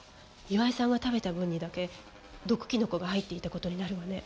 岩井さんが食べた分にだけ毒キノコが入っていたことになるわね。